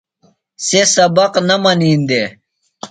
سےۡ سبق نہ منین دےۡ۔